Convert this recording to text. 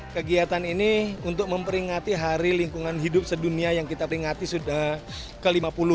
kegiatan ini untuk memperingati hari lingkungan hidup sedunia yang kita peringati sudah ke lima puluh